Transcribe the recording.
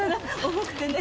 重くてね。